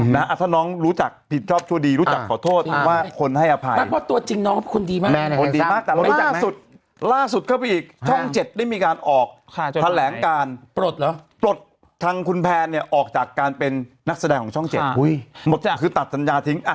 ถ้าน้องรู้จักผิดชอบทั่วดีรู้จักขอโทษว่าคนให้อภัย